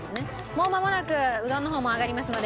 もうまもなくうどんの方も上がりますので。